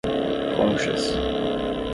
Conchas